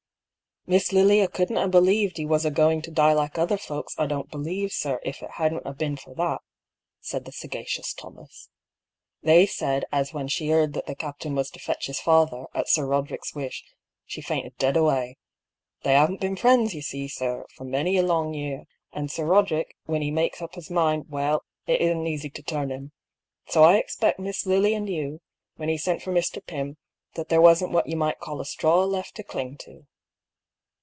"Miss Lilia couldn't have believed he was agoing to die like other folks, I don't believe, sir, if it hadn't ha' been for that," said the sagacious Thomas. " They said as when she heard that the captain was to fetch his father, at Sir Roderick's wish, she fainted dead away. They haven't been friends, you see, sir, for many a long year ; and Sir Roderick, when he makes up his mind — well, it isn't easy to turn him. So i expect Miss Lilia knew, when he sent for Mr. Pym, that there wasn't what you might call a straw left to cling to."